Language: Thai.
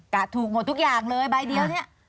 กะถูกหมดทุกอย่างเลยใบเดียวเนี่ย